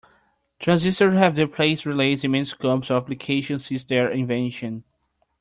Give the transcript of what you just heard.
Transistors have replaced relays in many scopes of application since their invention.